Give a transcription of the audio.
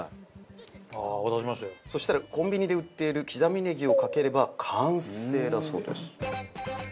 そしたらコンビニで売っている刻みネギをかければ完成だそうです。